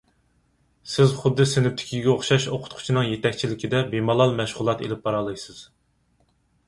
سىز خۇددى سىنىپتىكىگە ئوخشاش ئوقۇتقۇچىنىڭ يېتەكچىلىكىدە بىمالال مەشغۇلات ئېلىپ بارالايسىز.